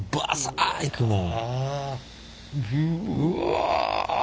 うわ！